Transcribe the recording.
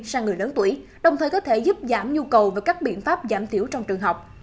sang người lớn tuổi đồng thời có thể giúp giảm nhu cầu và các biện pháp giảm thiểu trong trường học